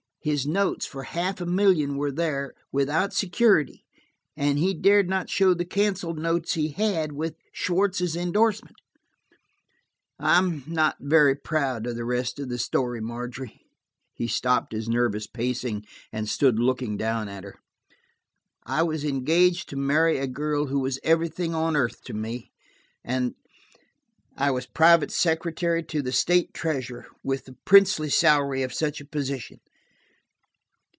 His notes for half a million were there, without security, and he dared not show the canceled notes he had, with Schwartz's indorsement. "I'm not proud of the rest of the story, Margery." He stopped his nervous pacing and stood looking down at her. "I was engaged to marry a girl who was everything on earth to me, and–I was private secretary to the state treasurer, with the princely salary of such a position!